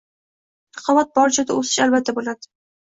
Raqobat bor joyda o‘sish albatta bo‘lading